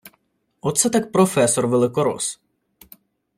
Оце так професор-великорос!